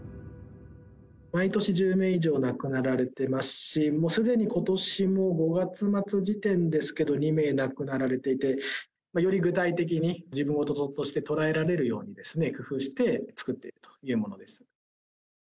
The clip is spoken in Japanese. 毎年１０名以上亡くなられていますし、もうすでにことしも５月末時点ですけど、２名亡くなられていて、より具体的に、自分事として捉えられるように、工夫して作っているというものです。